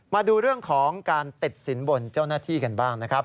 มาดูเรื่องของการติดสินบนเจ้าหน้าที่กันบ้างนะครับ